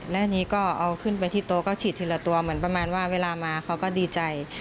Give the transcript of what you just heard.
และอันนี้ก็เอาขึ้นไปที่โต๊ะก็ฉีดทีละตัวเหมือนประมาณว่าเวลามาเขาก็ดีใจ